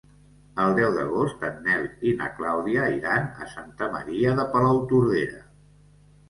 El deu d'agost en Nel i na Clàudia iran a Santa Maria de Palautordera.